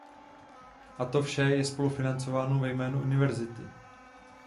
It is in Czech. A to vše je spolufinancováno ve jménu univerzality.